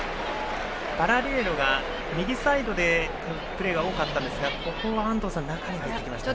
パラリュエロが右サイドでのプレーが多かったんですがここは安藤さん中に入ってきましたね。